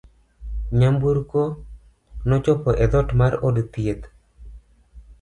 Nyamburko nochopo e dhoot mar od thieth.